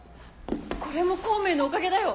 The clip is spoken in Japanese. これも孔明のおかげだよ。